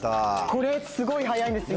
これすごい早いんですよ